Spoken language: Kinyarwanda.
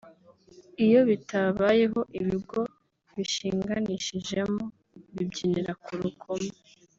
iyo bitababayeho ibigo bishinganishijemo bibyinira ku rukoma